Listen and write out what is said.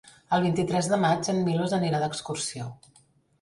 El vint-i-tres de maig en Milos anirà d'excursió.